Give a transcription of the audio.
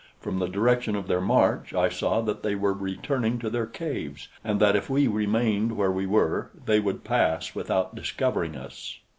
From the direction of their march I saw that they were returning to their caves, and that if we remained where we were, they would pass without discovering us.